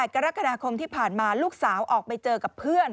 กรกฎาคมที่ผ่านมาลูกสาวออกไปเจอกับเพื่อน